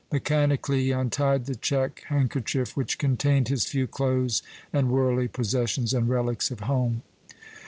Mechanically he untied the check handkerchief which contained his few clothes, and worldly possessions, and relics of home.